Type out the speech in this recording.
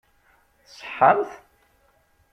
Tṣeḥḥamt?